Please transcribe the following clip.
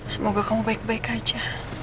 semoga kamu baik baik aja